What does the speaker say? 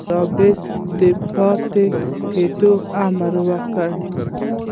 رابرټ د پاتې کېدو امر وکړ.